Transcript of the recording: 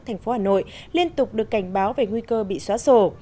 thành phố hà nội liên tục được cảnh báo về nguy cơ bị xóa sổ